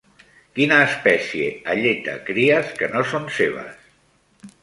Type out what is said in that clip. Quina espècie alleta cries que no són seves?